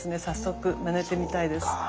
早速まねてみたいです。